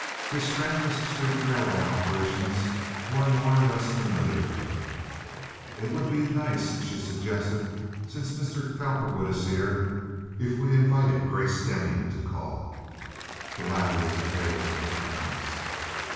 His strenuous street railway operations were more or less familiar to her. "It would be nice," she suggested, "since Mr. Cowperwood is here, if we invited Grace Deming to call." The latter was a favorite of the Colonel's.